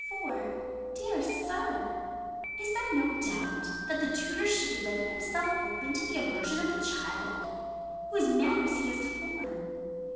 For, dear Sir, is there no doubt, that the tutor should lay himself open to the aversion of the child, whose manners he is to form?